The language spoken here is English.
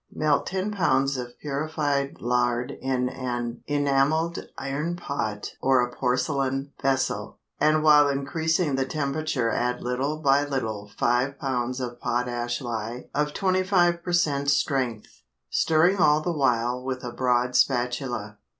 _—Melt ten pounds of purified lard in an enamelled iron pot or a porcelain vessel, and while increasing the temperature add little by little five pounds of potash lye of 25% strength, stirring all the time with a broad spatula.